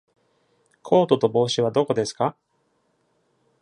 コートと帽子はどこですか？